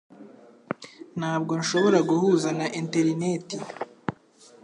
Ntabwo nshobora guhuza na enterineti